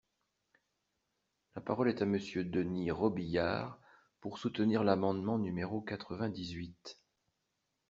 La parole est à Monsieur Denys Robiliard, pour soutenir l’amendement numéro quatre-vingt-dix-huit.